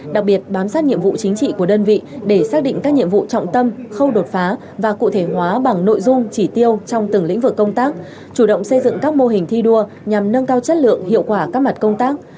đặc biệt bám sát nhiệm vụ chính trị của đơn vị để xác định các nhiệm vụ trọng tâm khâu đột phá và cụ thể hóa bằng nội dung chỉ tiêu trong từng lĩnh vực công tác chủ động xây dựng các mô hình thi đua nhằm nâng cao chất lượng hiệu quả các mặt công tác